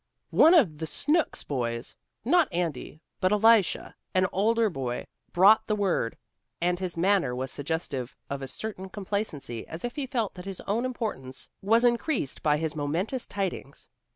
One of the Snooks boys, not Andy but Elisha, an older brother, brought the word, and his manner was suggestive of a certain complacency as if he felt that his own importance was increased by his momentous tidings.